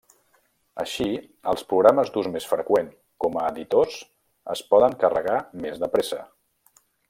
Així, els programes d'ús més freqüent com a editors es poden carregar més de pressa.